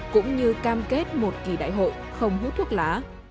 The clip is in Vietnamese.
cũng như cam kết một kỳ đại hội không hút thuốc lá